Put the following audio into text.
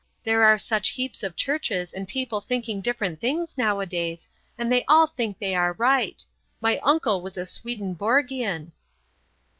There are such heaps of churches and people thinking different things nowadays, and they all think they are right. My uncle was a Swedenborgian."